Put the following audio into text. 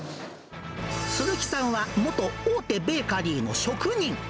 鈴木さんは、元大手ベーカリーの職人。